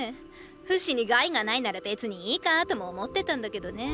フシに害がないなら別にいいかァとも思ってたんだけどねェ。